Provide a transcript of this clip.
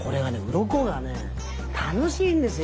鱗がね楽しいんですよ。